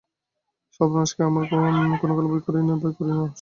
সর্বনাশকে আমরা কোনোকালে ভয় করি নে, ভয় করি অসম্মানকে।